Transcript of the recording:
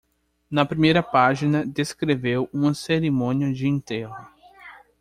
Na primeira página descreveu uma cerimônia de enterro.